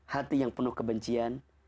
hati yang penuh kebencian